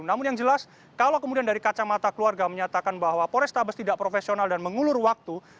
namun yang jelas kalau kemudian dari kacamata keluarga menyatakan bahwa polrestabes tidak profesional dan mengulur waktu